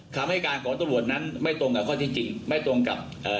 คำให้การของตำรวจนั้นไม่ตรงกับข้อที่จริงไม่ตรงกับเอ่อ